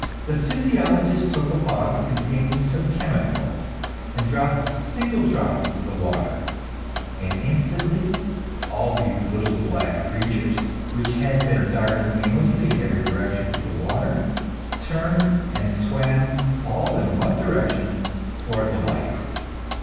The physiologist took a bottle containing some chemical, and dropped a single drop into the water, and instantly all these little black creatures, which had been darting aimlessly in every direction through the water, turned and swam all in one direction, toward the light.